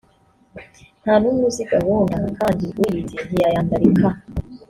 nta n’umwe uzi gahunda kandi uyizi ntiyayandarika